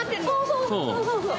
そうそうそうそう。